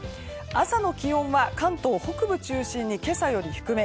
朝の気温は関東北部中心に今朝より低め。